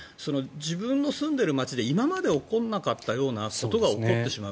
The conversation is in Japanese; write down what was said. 自分の住んでる街で今まで起こらなかったようなことが起こってしまう。